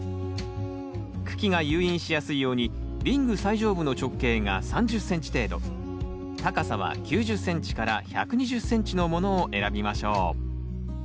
茎が誘引しやすいようにリング最上部の直径が３０ｃｍ程度高さは９０ｃｍから１２０ｃｍのものを選びましょう。